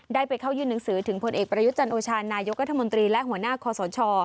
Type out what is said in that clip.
ได้ไปเข้ายื่นหนังสือถึงผลเอกประยุทธ์จันโอชานายกรัฐมนตรีและหัวหน้าคอสช